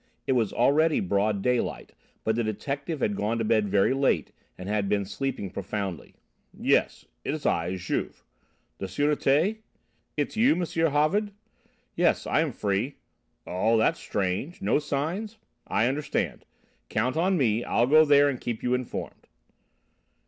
It was already broad daylight, but the detective had gone to bed very late and had been sleeping profoundly. "Yes, it's I, Juve. The Sûreté? It's you, M. Havard? Yes, I am free. Oh! That's strange. No signs? I understand. Count on me. I'll go there and keep you informed."